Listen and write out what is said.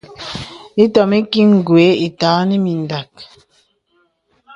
Itɔ̀m iki gwe ìtàghà nə mìndàk.